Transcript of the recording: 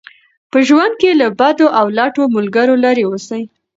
په ژوند کې له بدو او لټو ملګرو لرې اوسئ.